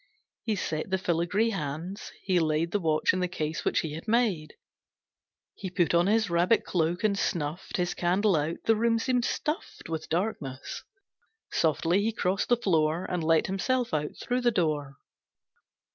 He set the filigree hands; he laid The watch in the case which he had made; He put on his rabbit cloak, and snuffed His candle out. The room seemed stuffed With darkness. Softly he crossed the floor, And let himself out through the door.